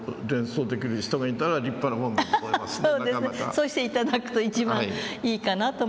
そうして頂くと一番いいかなと思って。